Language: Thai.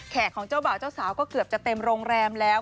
ของเจ้าบ่าวเจ้าสาวก็เกือบจะเต็มโรงแรมแล้ว